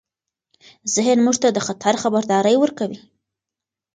ذهن موږ ته د خطر خبرداری ورکوي.